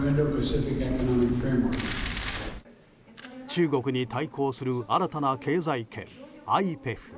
中国に対抗する新たな経済圏